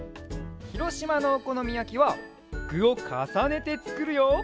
ひろしまのおこのみやきはぐをかさねてつくるよ！